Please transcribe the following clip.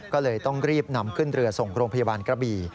ก็เลยต้องรีบนำขึ้นเรือส่งโรงพยาบาลกระบี่